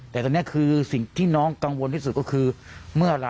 แต่ตอนนี้คือสิ่งที่น้องกังวลที่สุดก็คือ